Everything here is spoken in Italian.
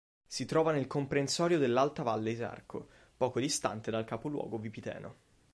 Si trova nel comprensorio dell'Alta Valle Isarco, poco distante dal capoluogo Vipiteno.